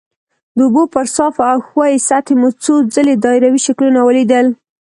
د اوبو پر صافه او ښویې سطحې مو څو ځلې دایروي شکلونه ولیدل.